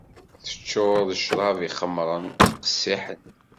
Teččur d ccrab ixemṛen, qessiḥen.